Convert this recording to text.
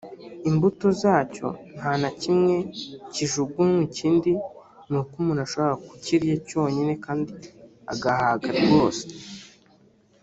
imbuto zacyo ntanakimwe kijugunywa ikindi nuko umuntu ashobora kukirya cyonyine kandi agahaga rwose